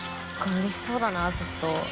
うれしそうだなずっと。